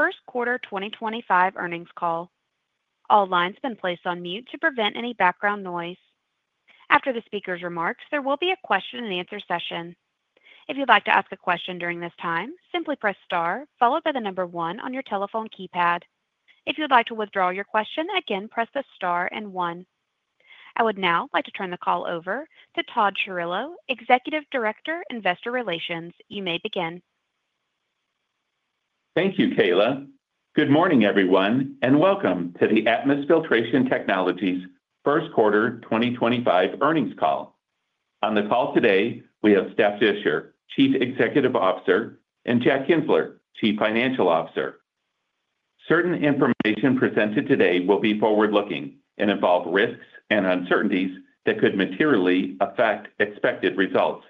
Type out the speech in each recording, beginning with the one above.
First Quarter 2025 Earnings Call. All lines have been placed on mute to prevent any background noise. After the speaker's remarks, there will be a Q&A session. If you'd like to ask a question during this time, simply press star followed by the number one on your telephone keypad. If you'd like to withdraw your question, again press the star and one. I would now like to turn the call over to Todd Chirillo, Executive Director of Investor Relations. You may begin. Thank you, Kayla. Good morning everyone, and welcome to the Atmus Filtration Technologies First Quarter 2025 Earnings Call. On the call today, we have Steph Disher, Chief Executive Officer; and Jack Kienzler, Chief Financial Officer. Certain information presented today will be forward-looking and involve risks and uncertainties that could materially affect expected results.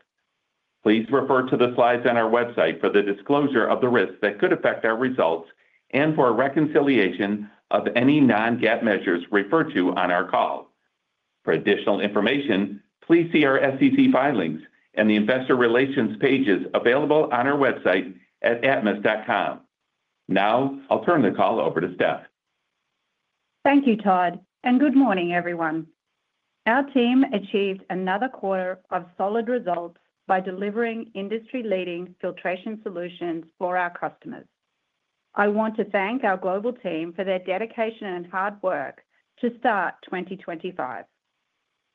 Please refer to the slides on our website for the disclosure of the risks that could affect our results and for reconciliation of any non-GAAP measures referred to on our call. For additional information, please see our SEC filings and the investor relations pages available on our website at atmus.com. Now, I'll turn the call over to Steph. Thank you, Todd. Good morning everyone. Our team achieved another quarter of solid results by delivering industry-leading filtration solutions for our customers. I want to thank our global team for their dedication and hard work to start 2025.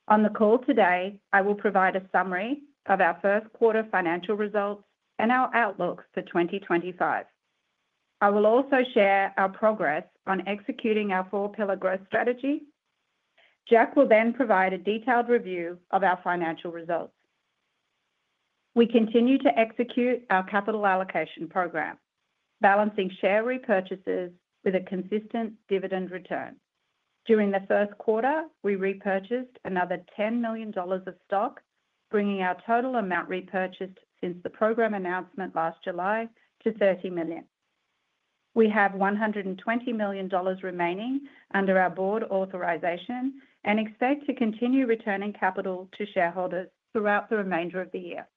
On the call today, I will provide a summary of our first quarter financial results and our outlook for 2025. I will also share our progress on executing our four-pillar growth strategy. Jack will then provide a detailed review of our financial results. We continue to execute our capital allocation program, balancing share repurchases with a consistent dividend return. During the first quarter, we repurchased another $10 million of stock, bringing our total amount repurchased since the program announcement last July to $30 million. We have $120 million remaining under our board authorization and expect to continue returning capital to shareholders throughout the remainder of the year.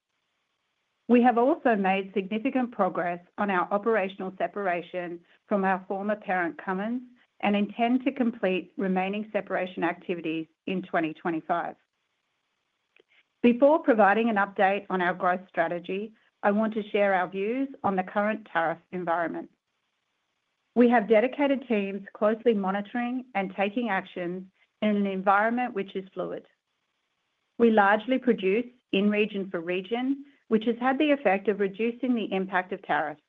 We have also made significant progress on our operational separation from our former parent Cummins and intend to complete remaining separation activities in 2025. Before providing an update on our growth strategy, I want to share our views on the current tariff environment. We have dedicated teams closely monitoring and taking actions in an environment which is fluid. We largely produce in region for region, which has had the effect of reducing the impact of tariffs.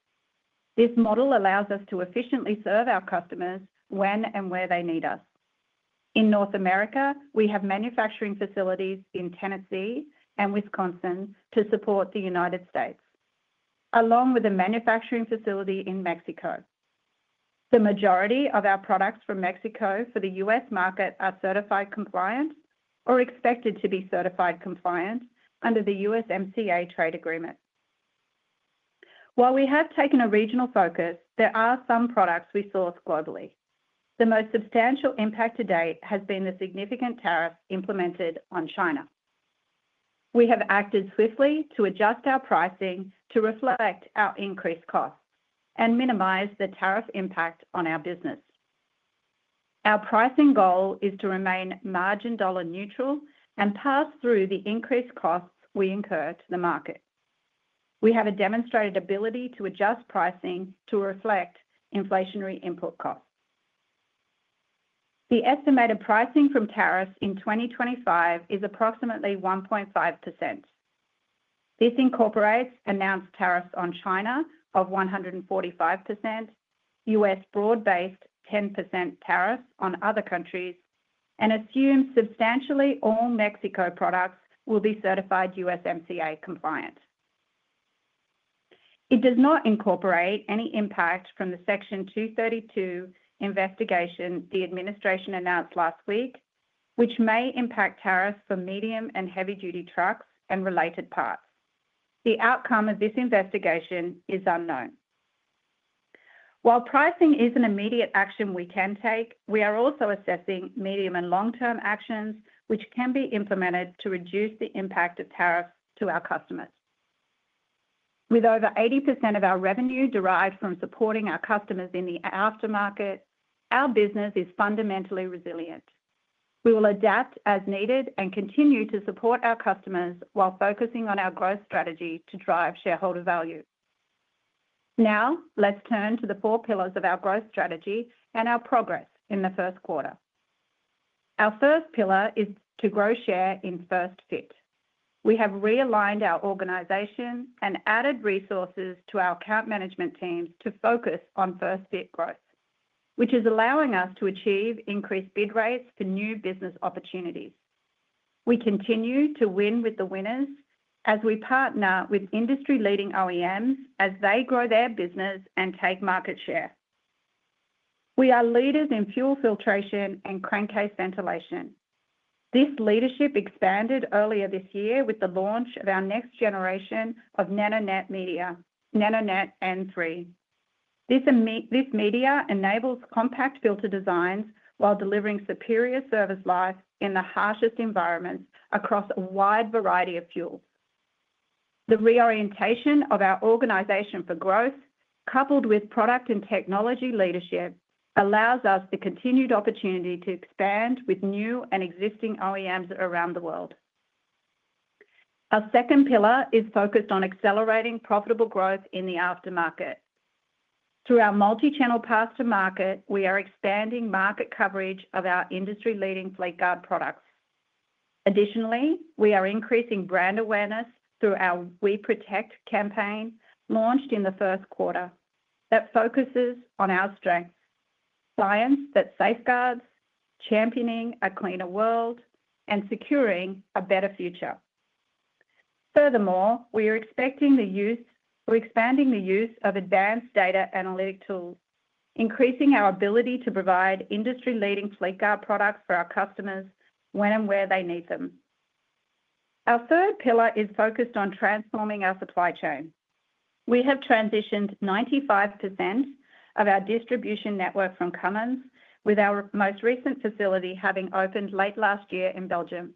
This model allows us to efficiently serve our customers when and where they need us. In North America, we have manufacturing facilities in Tennessee and Wisconsin to support the United States, along with a manufacturing facility in Mexico. The majority of our products from Mexico for the U.S. market are certified compliant or expected to be certified compliant under the USMCA trade agreement. While we have taken a regional focus, there are some products we source globally. The most substantial impact to date has been the significant tariff implemented on China. We have acted swiftly to adjust our pricing to reflect our increased costs and minimize the tariff impact on our business. Our pricing goal is to remain margin dollar neutral and pass through the increased costs we incur to the market. We have a demonstrated ability to adjust pricing to reflect inflationary input costs. The estimated pricing from tariffs in 2025 is approximately 1.5%. This incorporates announced tariffs on China of 145%, U.S. broad-based 10% tariffs on other countries, and assumes substantially all Mexico products will be certified USMCA compliant. It does not incorporate any impact from the Section 232 investigation the administration announced last week, which may impact tariffs for medium and heavy-duty trucks and related parts. The outcome of this investigation is unknown. While pricing is an immediate action we can take, we are also assessing medium and long-term actions which can be implemented to reduce the impact of tariffs to our customers. With over 80% of our revenue derived from supporting our customers in the aftermarket, our business is fundamentally resilient. We will adapt as needed and continue to support our customers while focusing on our growth strategy to drive shareholder value. Now, let's turn to the four-pillars of our growth strategy and our progress in the first quarter. Our first pillar is to grow share in first fit. We have realigned our organization and added resources to our account management teams to focus on first-fit growth, which is allowing us to achieve increased bid rates for new business opportunities. We continue to win with the winners as we partner with industry-leading OEMs as they grow their business and take market share. We are leaders in fuel filtration and crankcase ventilation. This leadership expanded earlier this year with the launch of our next generation of NanoNet media, NanoNet N3. This media enables compact filter designs while delivering superior service life in the harshest environments across a wide variety of fuels. The reorientation of our organization for growth, coupled with product and technology leadership, allows us the continued opportunity to expand with new and existing OEMs around the world. Our second pillar is focused on accelerating profitable growth in the aftermarket. Through our multi-channel path-to-market, we are expanding market coverage of our industry-leading Fleetguard products. Additionally, we are increasing brand awareness through our We Protect campaign launched in the first quarter that focuses on our strengths: science that safeguards, championing a cleaner world, and securing a better future. Furthermore, we are expanding the use of advanced data analytic tools, increasing our ability to provide industry-leading Fleetguard products for our customers when and where they need them. Our third pillar is focused on transforming our supply chain. We have transitioned 95% of our distribution network from Cummins, with our most recent facility having opened late last year in Belgium.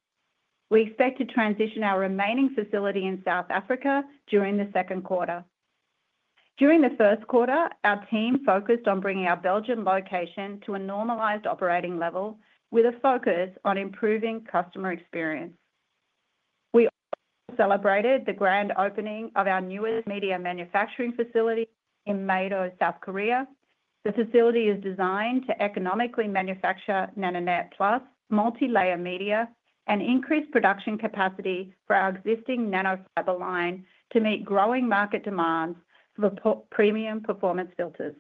We expect to transition our remaining facility in South Africa during the second quarter. During the first quarter, our team focused on bringing our Belgian location to a normalized operating level with a focus on improving customer experience. We also celebrated the grand opening of our newest media manufacturing facility in, South Korea. The facility is designed to economically manufacture NanoNet Plus, multi-layer media, and increase production capacity for our existing nanofiber line to meet growing market demands for premium performance filters.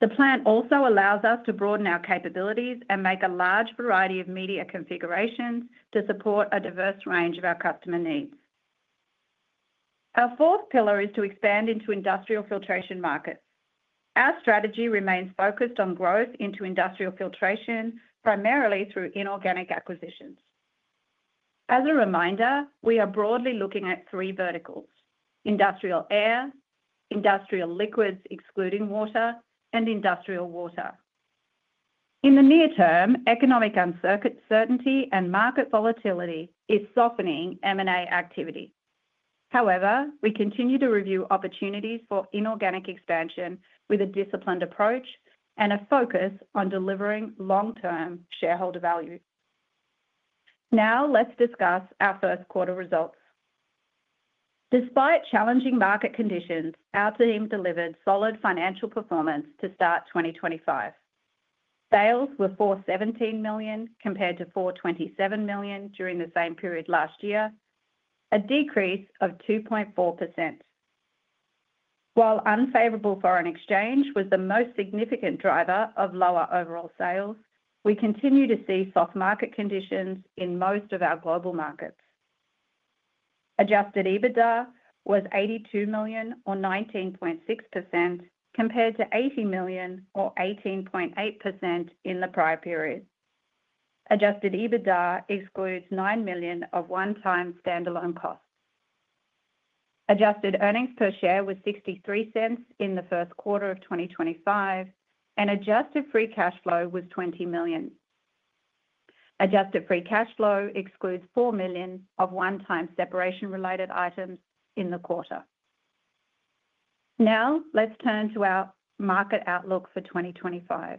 The plant also allows us to broaden our capabilities and make a large variety of media configurations to support a diverse range of our customer needs. Our fourth pillar is to expand into industrial filtration markets. Our strategy remains focused on growth into industrial filtration, primarily through inorganic acquisitions. As a reminder, we are broadly looking at three verticals: industrial air, industrial liquids excluding water, and industrial water. In the near term, economic uncertainty and market volatility is softening M&A activity. However, we continue to review opportunities for inorganic expansion with a disciplined approach and a focus on delivering long-term shareholder value. Now, let's discuss our first quarter results. Despite challenging market conditions, our team delivered solid financial performance to start 2025. Sales were $417 million compared to $427 million during the same period last year, a decrease of 2.4%. While unfavorable foreign exchange was the most significant driver of lower overall sales, we continue to see soft market conditions in most of our global markets. Adjusted EBITDA was $82 million or 19.6%, compared to $80 million or 18.8% in the prior period. Adjusted EBITDA excludes $9 million of one-time standalone costs. Adjusted earnings per share was $0.63 in the first quarter of 2025, and adjusted free cash flow was $20 million. Adjusted free cash flow excludes $4 million of one-time separation related items in the quarter. Now, let's turn to our market outlook for 2025.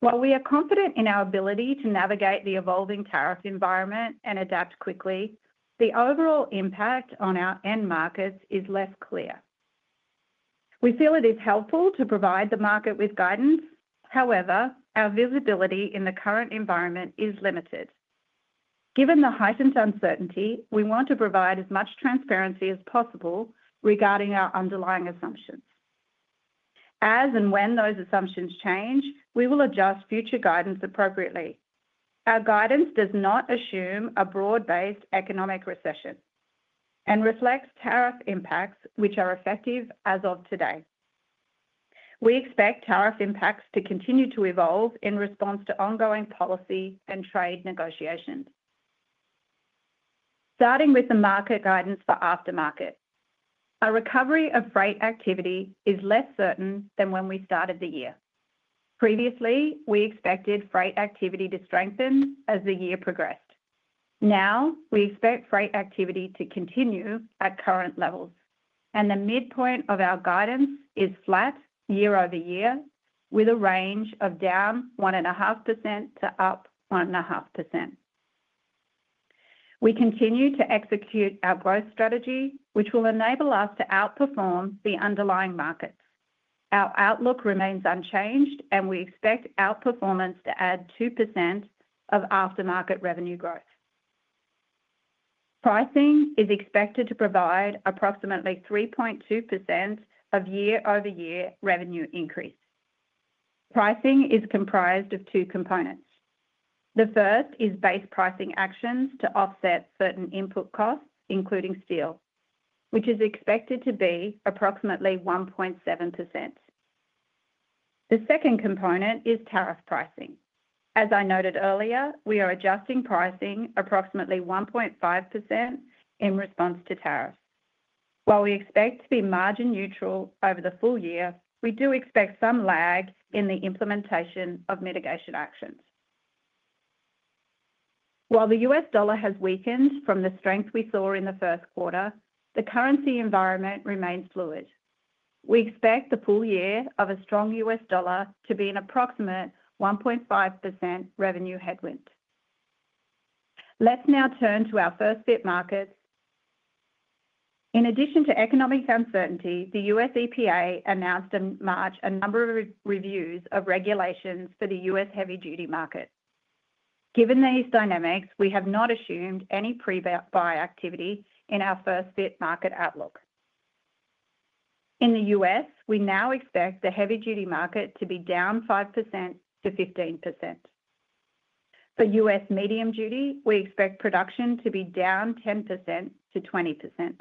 While we are confident in our ability to navigate the evolving tariff environment and adapt quickly, the overall impact on our end markets is less clear. We feel it is helpful to provide the market with guidance. However, our visibility in the current environment is limited. Given the heightened uncertainty, we want to provide as much transparency as possible regarding our underlying assumptions. As and when those assumptions change, we will adjust future guidance appropriately. Our guidance does not assume a broad-based economic recession and reflects tariff impacts which are effective as of today. We expect tariff impacts to continue to evolve in response to ongoing policy and trade negotiations. Starting with the market guidance for aftermarket, our recovery of freight activity is less certain than when we started the year. Previously, we expected freight activity to strengthen as the year progressed. Now, we expect freight activity to continue at current levels and the midpoint of our guidance is flat year over year, with a range of down 1.5% to up 1.5%. We continue to execute our growth strategy, which will enable us to outperform the underlying markets. Our outlook remains unchanged, and we expect outperformance to add 2% of aftermarket revenue growth. Pricing is expected to provide approximately 3.2% of year-over-year revenue increase. Pricing is comprised of two components. The first is base pricing actions to offset certain input costs including steel, which is expected to be approximately 1.7%. The second component is tariff pricing. As I noted earlier, we are adjusting pricing approximately 1.5% in response to tariffs. While we expect to be margin neutral over the full year, we do expect some lag in the implementation of mitigation actions. While the U.S. Dollar has weakened from the strength we saw in the first quarter, the currency environment remains fluid. We expect the full year of a strong U.S. dollar to be an approximate 1.5% revenue headwind. Let's now turn to our first fit markets. In addition to economic uncertainty, the U.S. EPA announced in March a number of reviews of regulations for the U.S. heavy-duty market. Given these dynamics, we have not assumed any pre-buy activity in our first-fit market outlook. In the U.S., we now expect the heavy-duty market to be down 5% to 15%. For U.S. medium duty, we expect production to be down 10% to 20%.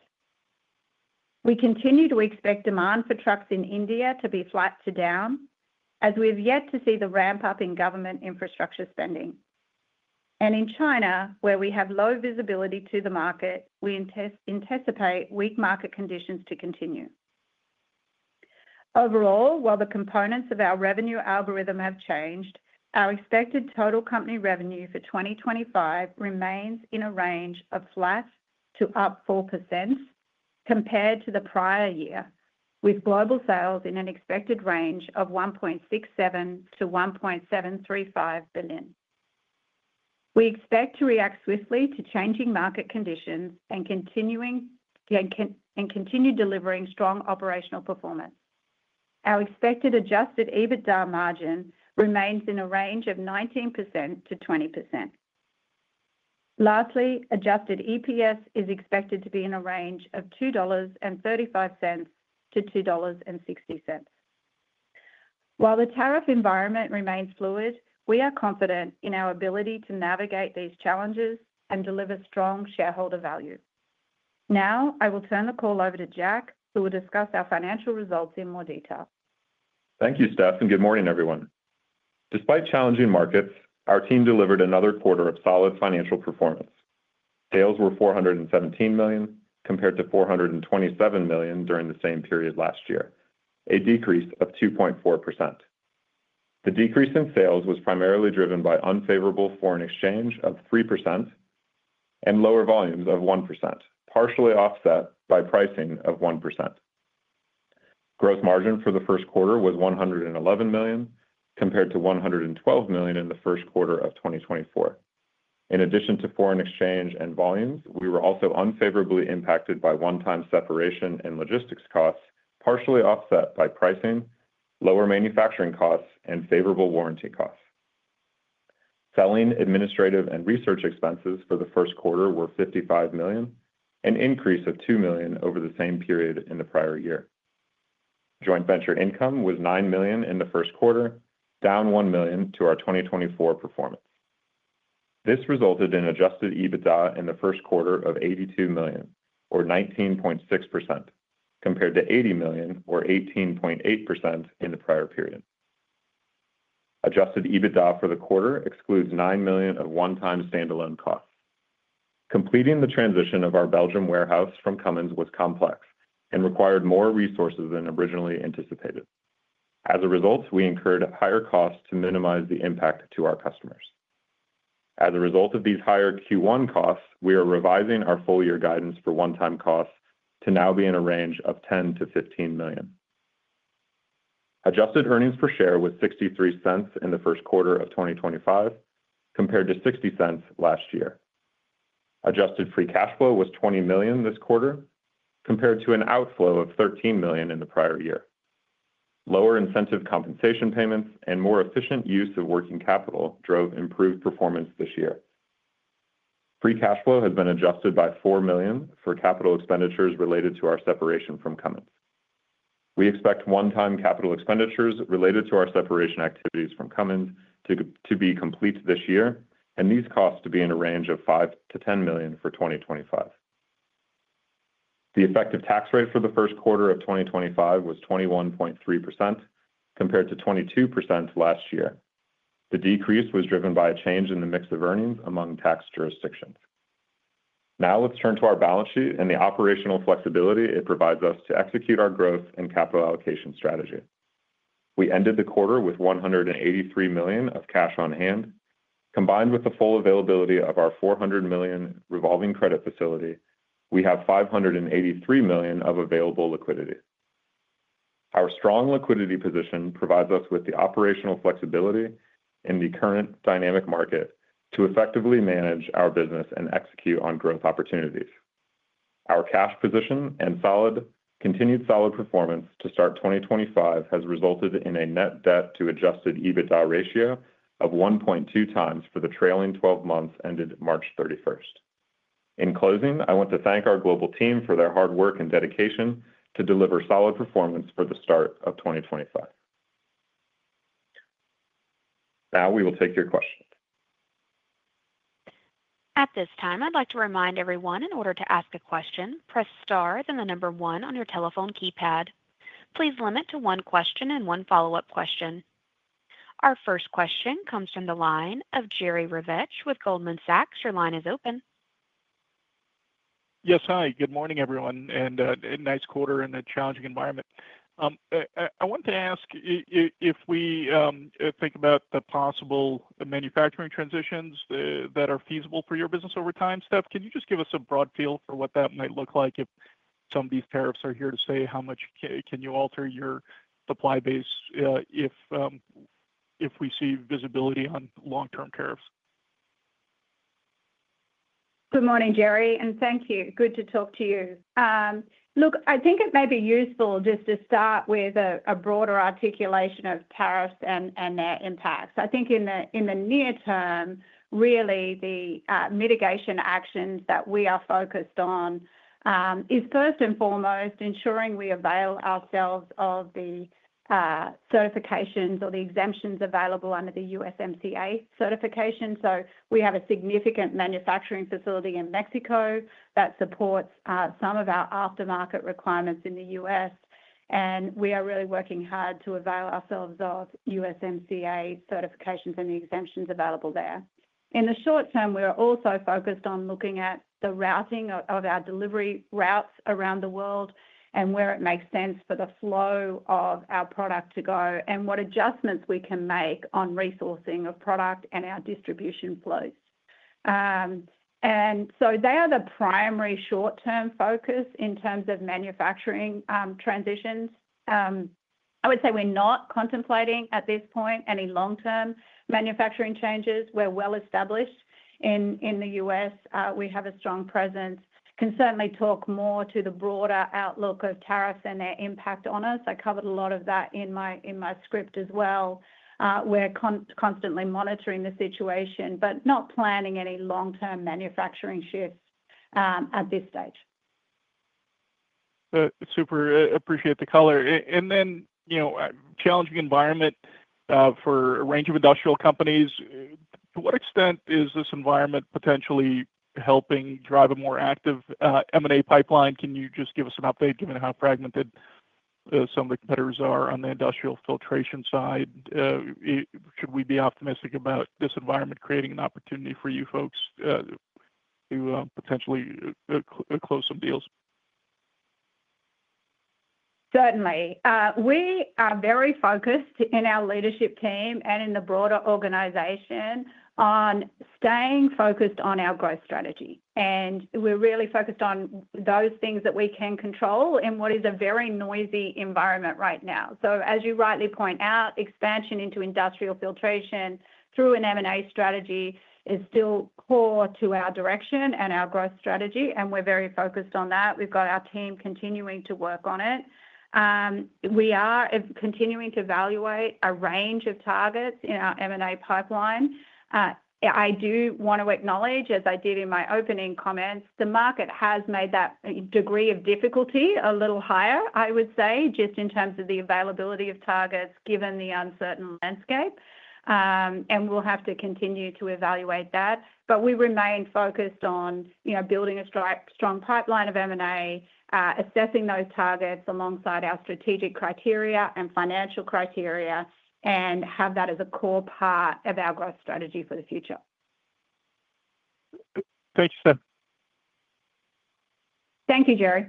We continue to expect demand for trucks in India to be flat to down, as we have yet to see the ramp-up in government infrastructure spending. In China, where we have low visibility to the market, we anticipate weak market conditions to continue. Overall, while the components of our revenue algorithm have changed, our expected total company revenue for 2025 remains in a range of flat to up 4% compared to the prior year, with global sales in an expected range of $1.67 to $1.735 billion. We expect to react swiftly to changing market conditions and continue delivering strong operational performance. Our expected adjusted EBITDA margin remains in a range of 19% to 20%. Lastly, adjusted EPS is expected to be in a range of $2.35 to $2.60. While the tariff environment remains fluid, we are confident in our ability to navigate these challenges and deliver strong shareholder value. Now, I will turn the call over to Jack, who will discuss our financial results in more detail. Thank you Steph and good morning everyone. Despite challenging markets, our team delivered another quarter of solid financial performance. Sales were $417 million compared to $427 million during the same period last year, a decrease of 2.4%. The decrease in sales was primarily driven by unfavorable foreign exchange of 3% and lower volumes of 1%, partially offset by pricing of 1%. Gross margin for the first quarter was $111 million compared to $112 million in the first quarter of 2024. In addition to foreign exchange and volumes, we were also unfavorably impacted by one-time separation and logistics costs, partially offset by pricing, lower manufacturing costs, and favorable warranty costs. Selling, administrative, and research expenses for the first quarter were $55 million, an increase of $2 million over the same period in the prior year. Joint venture income was $9 million in the first quarter, down $1 million to our 2024 performance. This resulted in adjusted EBITDA in the first quarter of $82 million or 19.6%, compared to $80 million or 18.8% in the prior period. Adjusted EBITDA for the quarter excludes $9 million of one-time standalone costs. Completing the transition of our Belgium warehouse from Cummins was complex and required more resources than originally anticipated. As a result, we incurred higher costs to minimize the impact to our customers. As a result of these higher Q1 costs, we are revising our full-year guidance for one-time costs to now be in a range of $10 to $15 million. Adjusted earnings per share was $0.63 in the first quarter of 2025 compared to $0.60 last year. Adjusted free cash flow was $20 million this quarter, compared to an outflow of $13 million in the prior year. Lower incentive compensation payments and more efficient use of working capital drove improved performance this year. Free cash flow has been adjusted by $4 million for capital expenditures related to our separation from Cummins. We expect one-time capital expenditures related to our separation activities from Cummins to be complete this year, and these costs to be in a range of $5 to $10 million for 2025. The effective tax rate for the first quarter of 2025 was 21.3% compared to 22% last year. The decrease was driven by a change in the mix of earnings among tax jurisdictions. Now, let's turn to our balance sheet and the operational flexibility it provides us to execute our growth and capital allocation strategy. We ended the quarter with $183 million of cash on hand. Combined with the full availability of our $400 million revolving credit facility, we have $583 million of available liquidity. Our strong liquidity position provides us with the operational flexibility in the current dynamic market to effectively manage our business and execute on growth opportunities. Our cash position and continued solid performance to start 2025 has resulted in a net debt-to-adjusted EBITDA ratio of 1.2 times for the trailing 12 months ended March 31. In closing, I want to thank our global team for their hard work and dedication to deliver solid performance for the start of 2025. Now, we will take your questions. At this time, I'd like to remind everyone in order to ask a question, press star then the number one on your telephone keypad. Please limit to one question and one follow-up question. Our first question comes from the line of Jerry Revich with Goldman Sachs. Your line is open. Yes, hi. Good morning everyone, and a nice quarter in a challenging environment. I wanted to ask if we think about the possible manufacturing transitions that are feasible for your business over time. Steph, can you just give us a broad feel for what that might look like if some of these tariffs are here to stay? How much can you alter your supply base if we see visibility on long-term tariffs? Good morning Jerry and thank you. Good to talk to you. Look, I think it may be useful just to start with a broader articulation of tariffs and their impacts. I think in the near term, really the mitigation actions that we are focused on is, first and foremost, ensuring we avail ourselves of the certifications or the exemptions available under the USMCA certification. We have a significant manufacturing facility in Mexico that supports some of our aftermarket requirements in the U.S., and we are really working hard to avail ourselves of USMCA certifications and the exemptions available there. In the short term, we are also focused on looking at the routing of our delivery routes around the world and where it makes sense for the flow of our product to go and what adjustments we can make on resourcing of product and our distribution flows. They are the primary short-term focus in terms of manufacturing transitions. I would say we're not contemplating at this point any long-term manufacturing changes. We're well established in the U.S. We have a strong presence. Can certainly talk more to the broader outlook of tariffs and their impact on us. I covered a lot of that in my script as well. We're constantly monitoring the situation, but not planning any long-term manufacturing shifts at this stage. Super. Appreciate the caller. Challenging environment for a range of industrial companies. To what extent is this environment potentially helping drive a more active M&A pipeline? Can you just give us an update given how fragmented some of the competitors are on the industrial filtration side? Should we be optimistic about this environment creating an opportunity for you folks to potentially close some deals? Certainly. We are very focused in our leadership team and in the broader organization on staying focused on our growth strategy. We're really focused on those things that we can control in what is a very noisy environment right now. As you rightly point out, expansion into industrial filtration through an M&A strategy is still core to our direction and our growth strategy, and we're very focused on that. We've got our team continuing to work on it. We are continuing to evaluate a range of targets in our M&A pipeline. I do want to acknowledge, as I did in my opening comments the market has made that degree of difficulty a little higher, I would say, just in terms of the availability of targets given the uncertain landscape. We'll have to continue to evaluate that. We remain focused on building a strong pipeline of M&A, assessing those targets alongside our strategic criteria and financial criteria, and have that as a core part of our growth strategy for the future. Thank you, Steph. Thank you, Jerry.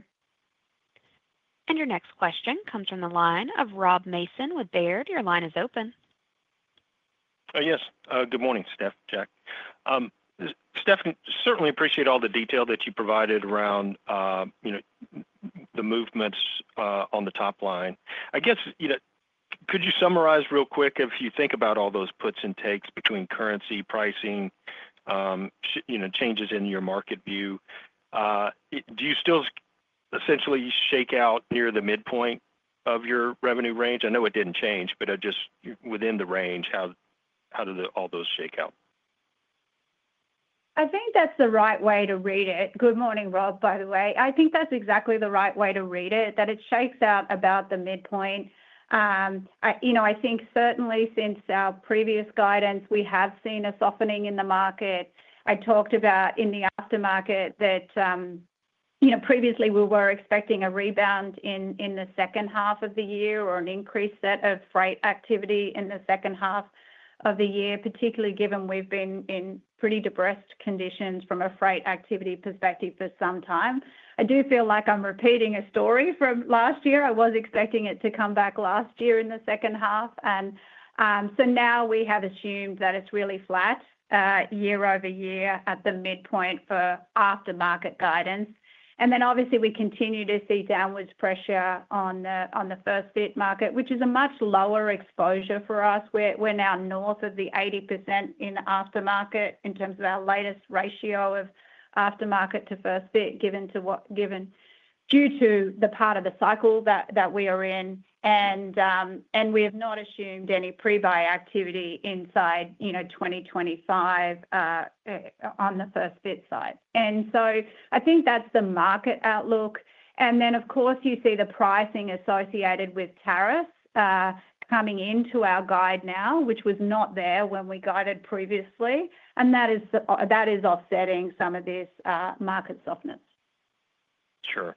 Your next question comes from the line of Rob Mason with Baird. Your line is open. Yes. Good morning, Steph. Jack. Steph, certainly appreciate all the detail that you provided around the movements on the top line. I guess, could you summarize real quick, if you think about all those puts and takes between currency, pricing, changes in your market view. Do you still essentially shake out near the midpoint of your revenue range? I know it did not change, but just within the range, how do all those shake out? I think that is the right way to read it. Good morning Rob, by the way. I think that is exactly the right way to read it, that it shakes out about the midpoint. I think certainly since our previous guidance, we have seen a softening in the market. I talked about in the aftermarket that previously we were expecting a rebound in the second half of the year or an increased set of freight activity in the H2 of the year, particularly given we've been in pretty depressed conditions from a freight activity perspective for some time. I do feel like I'm repeating a story from last year. I was expecting it to come back last year in the H2. Now we have assumed that it's really flat year-over-year at the midpoint for aftermarket guidance. Obviously we continue to see downwards pressure on the first-fit market, which is a much lower exposure for us. We're now north of 80% in aftermarket in terms of our latest ratio of aftermarket to first-fit given due to the part of the cycle that we are in. We have not assumed any pre-buy activity inside 2025 on the first-fit side. I think that's the market outlook. Of course, you see the pricing associated with tariffs coming into our guide now, which was not there when we guided previously. That is offsetting some of this market softness. Sure.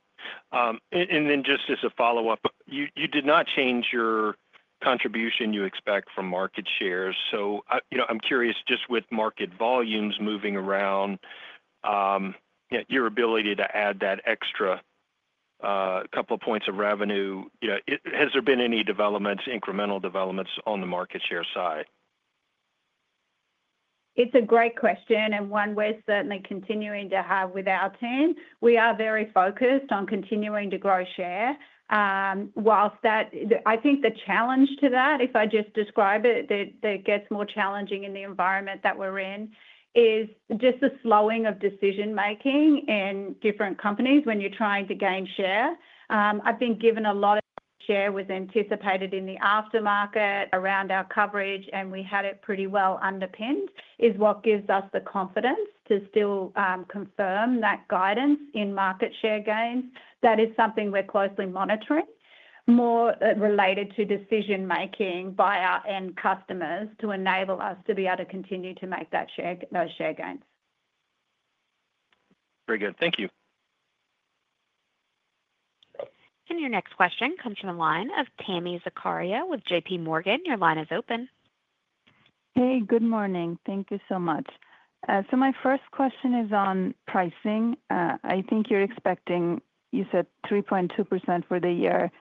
Just as a follow-up, you did not change your contribution you expect from market shares. I'm curious, just with market volumes moving around, your ability to add that extra couple of points of revenue, has there been any incremental developments on the market share side? It's a great question and one we're certainly continuing to have with our team. We are very focused on continuing to grow share. Whilst I think the challenge to that, if I just describe it, that it gets more challenging in the environment that we're in, is just the slowing of decision-making in different companies when you're trying to gain share. I've been given a lot of share was anticipated in the aftermarket. Around our coverage, and we had it pretty well underpinned, is what gives us the confidence to still confirm that guidance in market share gains. That is something we're closely monitoring, more related to decision-making by our end customers to enable us to be able to continue to make those share gains. Very good. Thank you. Your next question comes from the line of Tami Zakaria with JPMorgan. Your line is open. Hey, good morning. Thank you so much. My first question is on pricing. I think you're expecting, you said 3.2% for the year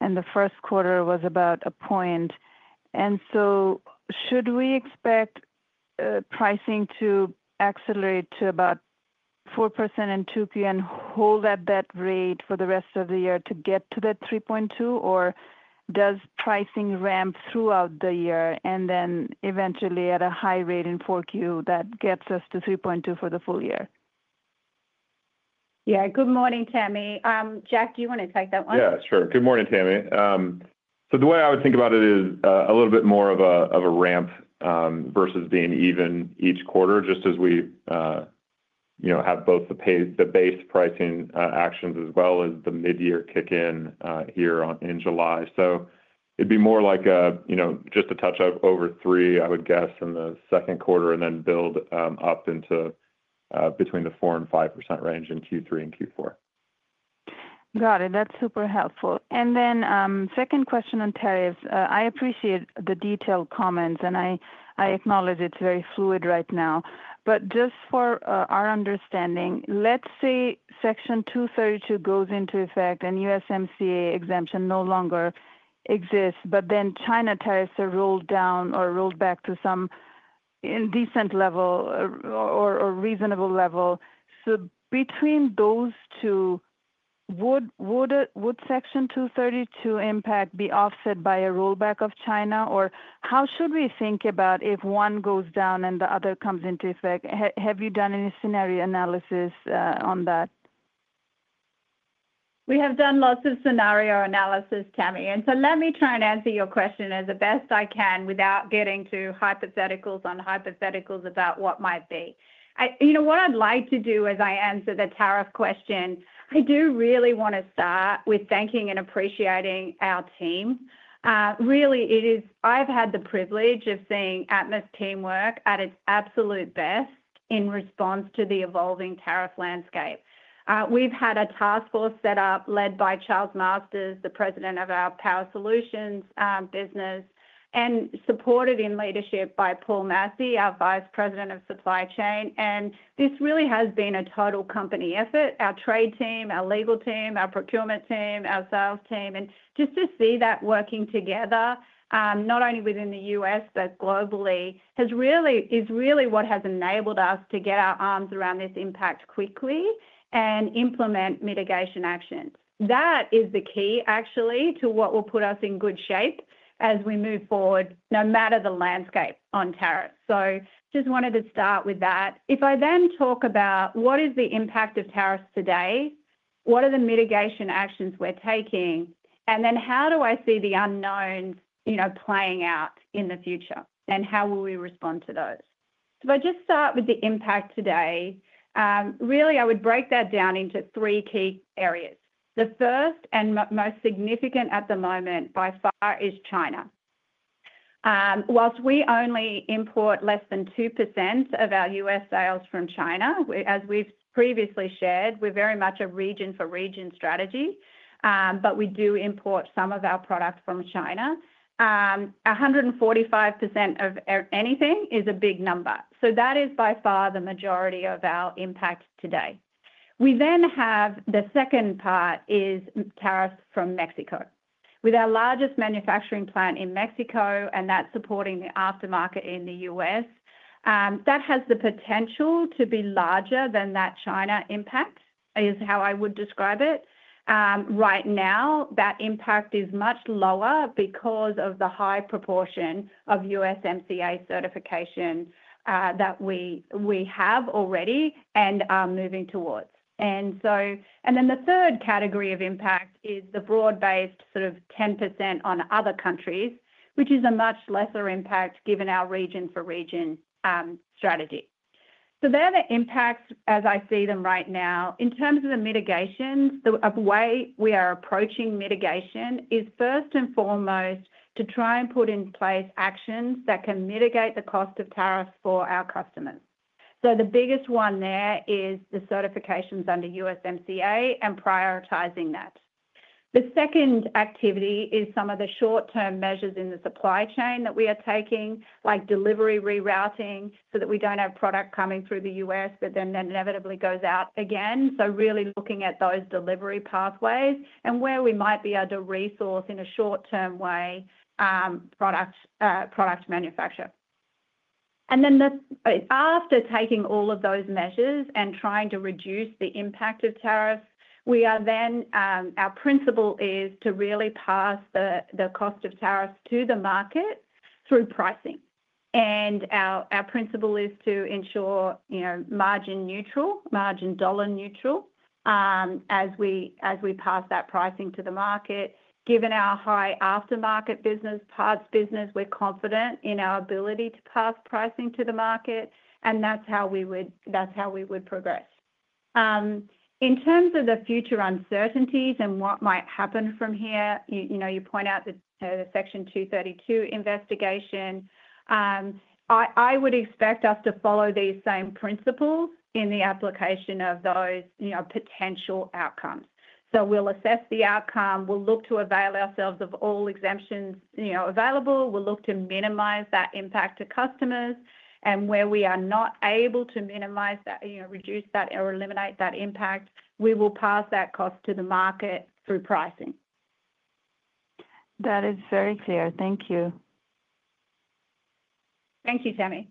and the first quarter was about a point. Should we expect pricing to accelerate to about 4% in 2Q and hold at that rate for the rest of the year to get to that 3.2%, or does pricing ramp throughout the year and then eventually at a high rate in 4Q that gets us to 3.2% for the full year? Yeah. Good morning, Tami. Jack, do you want to take that one? Yeah, sure. Good morning, Tami. The way I would think about it is a little bit more of a ramp versus being even each quarter, just as we have both the base pricing actions as well as the mid-year kick in here in July. It would be more like just a touch-up over three, I would guess, in the second quarter and then build up into between the 4% to 5% range in Q3 and Q4. Got it. That is super helpful. Second question on tariffs. I appreciate the detailed comments, and I acknowledge it is very fluid right now. Just for our understanding, let's say Section 232 goes into effect and USMCA exemption no longer exists, but then China tariffs are rolled down or rolled back to some decent level or reasonable level. Between those two, would Section 232 impact be offset by a rollback of China, or how should we think about if one goes down and the other comes into effect? Have you done any scenario analysis on that? We have done lots of scenario analysis, Tami. Let me try and answer your question as the best I can without getting to hypotheticals on hypotheticals about what might be. What I'd like to do as I answer the tariff question, I do really want to start with thanking and appreciating our team. Really, I've had the privilege of seeing Atmus Teamwork at its absolute best in response to the evolving tariff landscape. We've had a task force set up led by Charles Masters, the President of our Power Solutions business, and supported in leadership by Paul Massey, our Vice President of Supply Chain. This really has been a total company effort. Our trade team, our legal team, our procurement team, our sales team, and just to see that working together, not only within the U.S., but globally, is really what has enabled us to get our arms around this impact quickly and implement mitigation actions. That is the key, actually, to what will put us in good shape as we move forward, no matter the landscape on tariffs. I just wanted to start with that. If I then talk about what is the impact of tariffs today, what are the mitigation actions we're taking, and then how do I see the unknowns playing out in the future, and how will we respond to those? If I just start with the impact today, really, I would break that down into three key areas. The first and most significant at the moment by far is China. Whilst we only import less than 2% of our U.S. sales from China, as we've previously shared, we're very much a region-for-region strategy, but we do import some of our product from China, 145% of anything is a big number. So that is by far the majority of our impact today. We then have the second part is tariffs from Mexico. With our largest manufacturing plant in Mexico and that supporting the aftermarket in the U.S., that has the potential to be larger than that China impact is how I would describe it. Right now, that impact is much lower because of the high proportion of USMCA certification that we have already and are moving towards. And then the third category of impact is the broad-based sort of 10% on other countries, which is a much lesser impact given our region-for-region strategy. There are the impacts as I see them right now. In terms of the mitigations, the way we are approaching mitigation is first and foremost to try and put in place actions that can mitigate the cost of tariffs for our customers. The biggest one there is the certifications under USMCA and prioritizing that. The second activity is some of the short-term measures in the supply chain that we are taking, like delivery rerouting so that we do not have product coming through the U.S., but then that inevitably goes out again. Really looking at those delivery pathways and where we might be able to resource in a short-term way product manufacture. After taking all of those measures and trying to reduce the impact of tariffs, our principle is to really pass the cost of tariffs to the market through pricing. Our principle is to ensure margin neutral, margin dollar neutral as we pass that pricing to the market. Given our high aftermarket business, parts business, we're confident in our ability to pass pricing to the market, and that's how we would progress. In terms of the future uncertainties and what might happen from here, you point out the Section 232 investigation, I would expect us to follow these same principles in the application of those potential outcomes. We will assess the outcome. We will look to avail ourselves of all exemptions available. We will look to minimize that impact to customers. Where we are not able to minimize that, reduce that, or eliminate that impact, we will pass that cost to the market through pricing. That is very clear. Thank you. Thank you, Tami.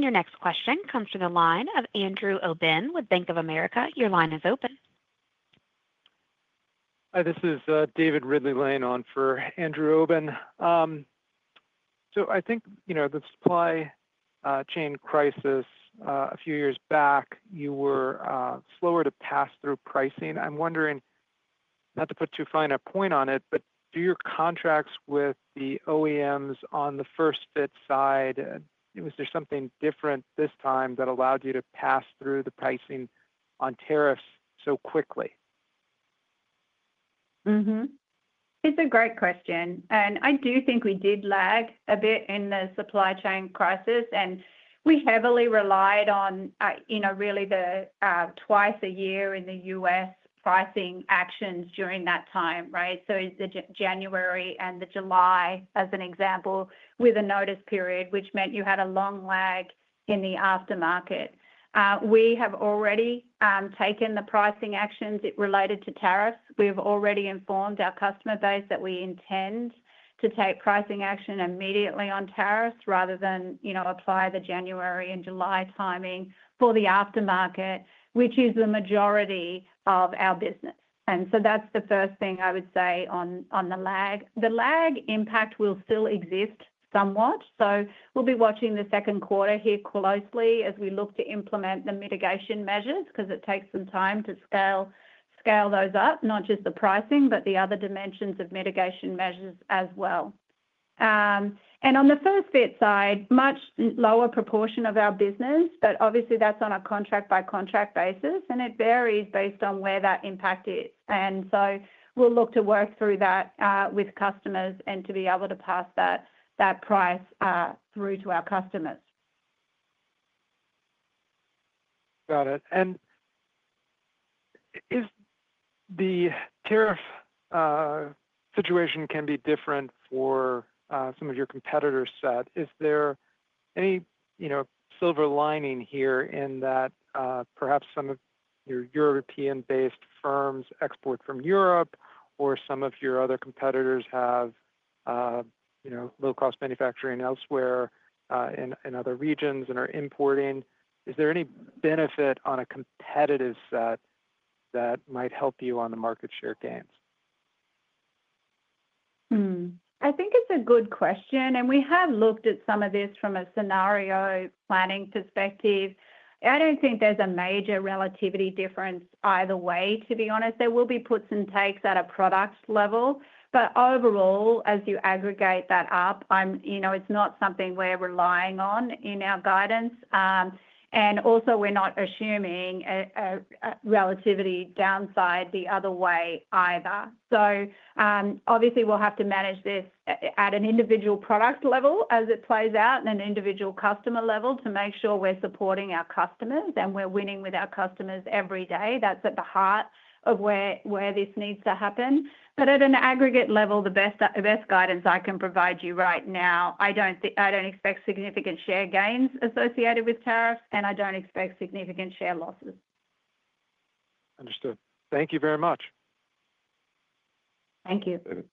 Your next question comes from the line of Andrew Obin with Bank of America. Your line is open. Hi, this is David Ridley-Lane on for Andrew Obin. I think the supply chain crisis a few years back, you were slower to pass through pricing. I'm wondering, not to put too fine a point on it, but do your contracts with the OEMs on the first-fit side, was there something different this time that allowed you to pass through the pricing on tariffs so quickly? It's a great question. I do think we did lag a bit in the supply chain crisis, and we heavily relied on really the twice-a-year in the U.S. pricing actions during that time, right? The January and the July as an example, with a notice period, which meant you had a long lag in the aftermarket. We have already taken the pricing actions related to tariffs. We've already informed our customer base that we intend to take pricing action immediately on tariffs rather than apply the January and July timing for the aftermarket, which is the majority of our business. That is the first thing I would say on the lag. The lag impact will still exist somewhat. We will be watching the second quarter here closely as we look to implement the mitigation measures because it takes some time to scale those up, not just the pricing, but the other dimensions of mitigation measures as well. On the first-fit side, much lower proportion of our business, but obviously that is on a contract-by-contract basis, and it varies based on where that impact is. We will look to work through that with customers and to be able to pass that price through to our customers. Got it. If the tariff situation can be different for some of your competitor set, is there any silver lining here in that perhaps some of your European-based firms export from Europe or some of your other competitors have low-cost manufacturing elsewhere in other regions and are importing? Is there any benefit on a competitive set that might help you on the market share gains? I think it's a good question. We have looked at some of this from a scenario planning perspective. I don't think there's a major relativity difference either way, to be honest. There will be puts and takes at a product level. Overall, as you aggregate that up, it's not something we're relying on in our guidance. Also, we're not assuming a relativity downside the other way either. Obviously, we'll have to manage this at an individual product level as it plays out and an individual customer level to make sure we're supporting our customers and we're winning with our customers every day. That's at the heart of where this needs to happen. At an aggregate level, the best guidance I can provide you right now, I don't expect significant share gains associated with tariffs, and I don't expect significant share losses. Understood. Thank you very much. Thank you. David.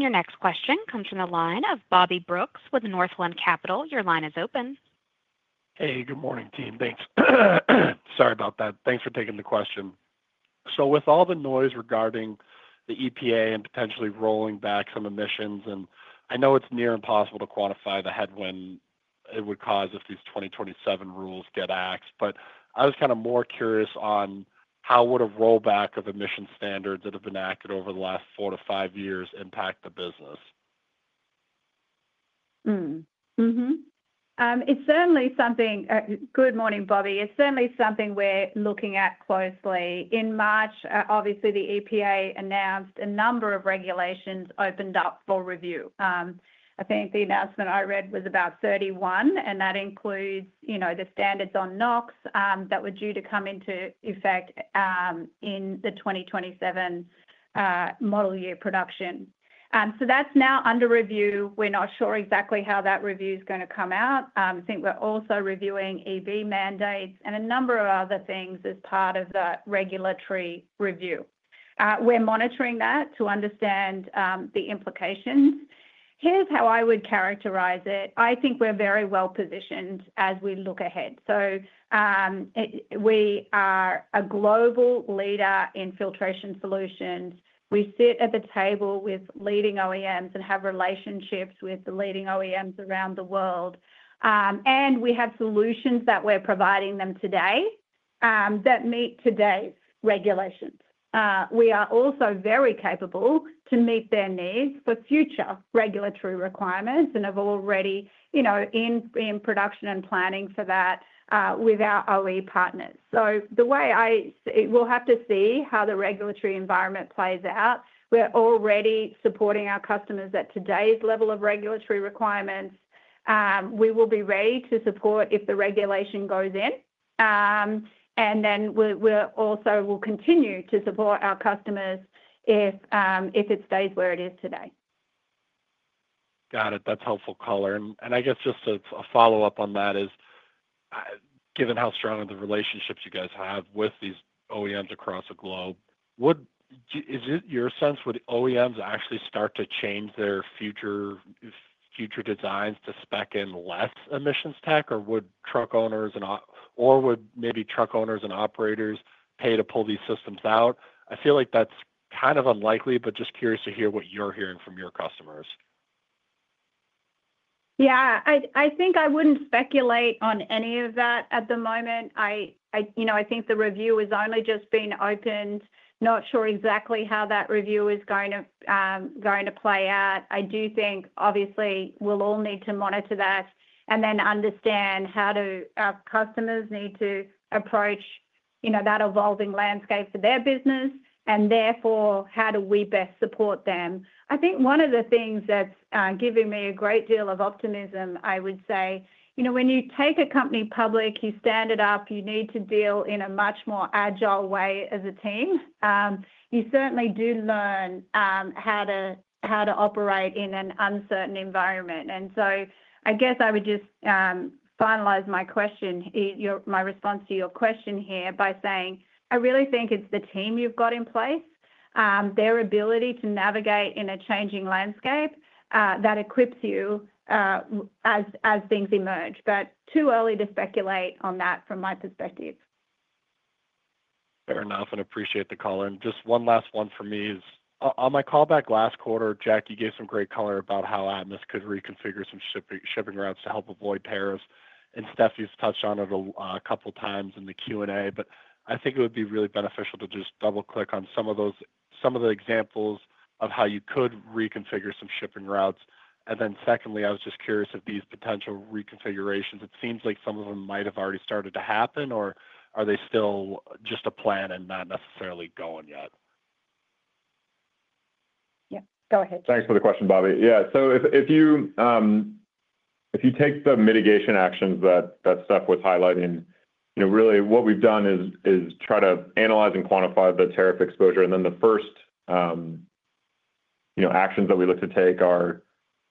Your next question comes from the line of Bobby Brooks with Northland Capital. Your line is open. Hey, good morning teammates. Thanks. Sorry about that. Thanks for taking the question. With all the noise regarding the EPA and potentially rolling back some emissions, and I know it's near impossible to quantify the headwind it would cause if these 2027 rules get axed, I was kind of more curious on how would a rollback of emission standards that have been enacted over the last four to five years impact the business. It's certainly something. Good morning, Bobby. It's certainly something we're looking at closely. In March, obviously the EPA announced a number of regulations opened up for review. I think the announcement I read was about 31, and that includes the standards on NOx that were due to come into effect in the 2027 model year production. That's now under review. We're not sure exactly how that review is going to come out. I think we're also reviewing EV mandates and a number of other things as part of the regulatory review. We're monitoring that to understand the implications. Here's how I would characterize it. I think we're very well positioned as we look ahead. We are a global leader in filtration solutions. We sit at the table with leading OEMs and have relationships with the leading OEMs around the world. We have solutions that we're providing them today, that meet today's regulations. We are also very capable to meet their needs for future regulatory requirements and have already been in production and planning for that with our OE partners. The way I see it, we'll have to see how the regulatory environment plays out. We're already supporting our customers at today's level of regulatory requirements. We will be ready to support if the regulation goes in. We also will continue to support our customers if it stays where it is today. Got it. That's helpfull caller. I guess just a follow-up on that is, given how strong the relationships you guys have with these OEMs across the globe, is it your sense would OEMs actually start to change their future designs to spec in less emissions tech, or would truck owners or would maybe truck owners and operators pay to pull these systems out? I feel like that's kind of unlikely, but just curious to hear what you're hearing from your customers. Yeah. I think I wouldn't speculate on any of that at the moment. I think the review has only just been opened. Not sure exactly how that review is going to play out. I do think, obviously, we'll all need to monitor that and then understand how our customers need to approach that evolving landscape for their business, and therefore, how do we best support them? I think one of the things that's giving me a great deal of optimism, I would say, when you take a company public, you stand it up, you need to deal in a much more agile way as a team. You certainly do learn how to operate in an uncertain environment. I guess I would just finalize my response to your question here by saying I really think it's the team you've got in place, their ability to navigate in a changing landscape that equips you as things emerge. Too early to speculate on that from my perspective. Fair enough. And appreciate the call. Just one last one for me, is on my callback last quarter. Jack, you gave some great color about how Atmus could reconfigure some shipping routes to help avoid tariffs. Steph has touched on it a couple of times in the Q&A, but I think it would be really beneficial to just double-click on some of the examples of how you could reconfigure some shipping routes. Secondly, I was just curious if these potential reconfigurations, it seems like some of them might have already started to happen, or are they still just a plan and not necessarily going yet? Yeah. Go ahead. Thanks for the question, Bobby. Yeah. If you take the mitigation actions that Steph was highlighting, really what we have done is try to analyze and quantify the tariff exposure. The first actions that we look to take are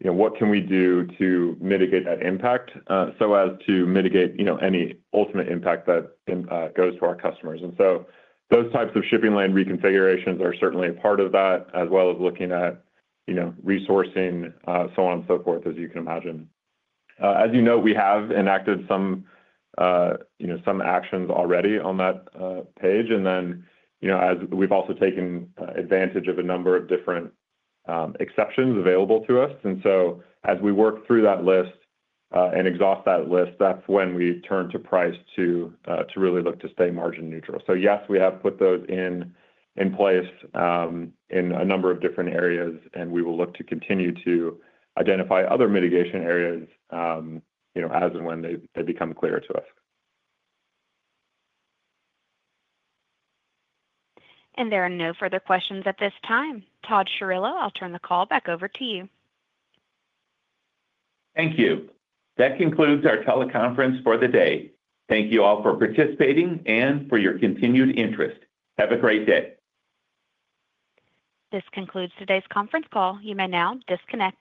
what can we do to mitigate that impact so as to mitigate any ultimate impact that goes to our customers? Those types of shipping line reconfigurations are certainly a part of that, as well as looking at resourcing, so on and so forth, as you can imagine. As you know, we have enacted some actions already on that page. We have also taken advantage of a number of different exceptions available to us. As we work through that list and exhaust that list, that is when we turn to price to really look to stay margin neutral. Yes, we have put those in place in a number of different areas, and we will look to continue to identify other mitigation areas as and when they become clearer to us. There are no further questions at this time. Todd Chirillo, I'll turn the call back over to you. Thank you. That concludes our teleconference for the day. Thank you all for participating and for your continued interest. Have a great day. This concludes today's conference call. You may now disconnect.